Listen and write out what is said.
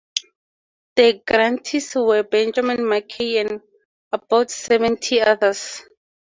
The grantees were Benjamin Mackay and about seventy others.